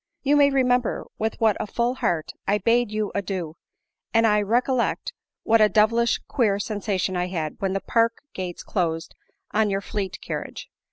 You may remember with what a full heart I bade you adieu, and I 'recollect what a devilish queer sensation I had when the park gates closed on your fleet carriage.